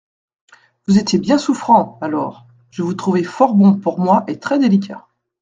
Vous étiez bien souffrant, alors ; je vous trouvai fort bon pour moi et très-délicat.